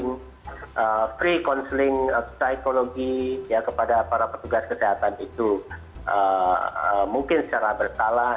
dan juga free counseling psikologi kepada para petugas kesehatan itu mungkin secara bersalah